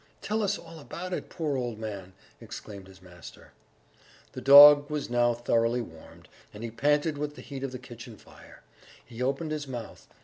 Tell us all about it, poor old man!" exclaimed his master. The dog was now thoroughly warmed, and he panted with the heat of the kitchen fire; he opened his mouth